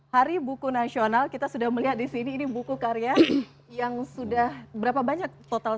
hari buku nasional kita sudah melihat di sini ini buku karya yang sudah berapa banyak total